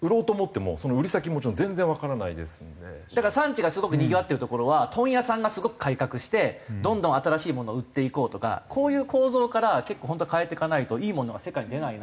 産地がすごくにぎわってる所は問屋さんがすごく改革してどんどん新しいものを売っていこうとかこういう構造から結構本当は変えていかないといいものは世界に出ないなと。